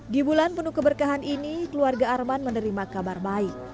di bulan penuh keberkahan ini keluarga arman menerima kabar baik